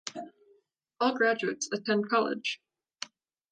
All graduates attend college.